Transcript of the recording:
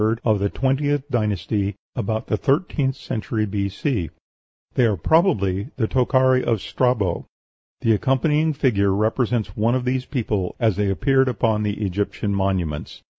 of the twentieth dynasty, about the thirteenth century B.C. They are probably the Tochari of Strabo. The accompanying figure represents one of these people as they appear upon the Egyptian monuments.